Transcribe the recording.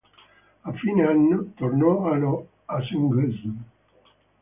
A fine anno, tornò allo Haugesund.